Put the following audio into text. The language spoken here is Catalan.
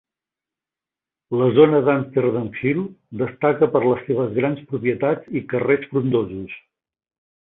La zona d'Amersham Hill destaca per les seves grans propietats i carrers frondosos.